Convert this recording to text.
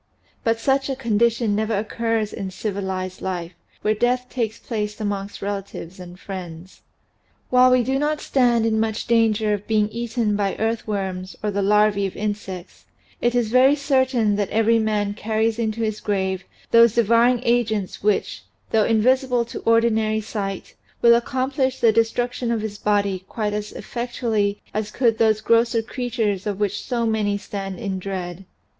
But such a condition never occurs in civilized life where death takes place amongst relatives and friends. But while we do not stand in much danger of being eaten by earthworms or the larvae of insects, it is very certain that every man carries into his grave those devour ing agents which though invisible to ordinary sight will accomplish the destruction of his body quite as effectually as could those grosser creatures of which so many stand in dread.